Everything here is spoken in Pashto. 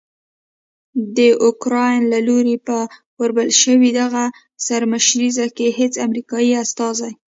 داوکرایین له لوري په وربلل شوې دغه سرمشریزه کې هیڅ امریکایي استازی